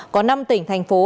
có năm tỉnh thành phố